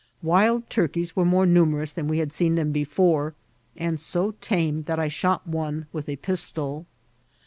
Wild turkeys were more numerous than we had seen them before, and so tame that 1 shot one with a pistol.